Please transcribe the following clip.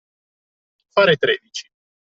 Fare tredici.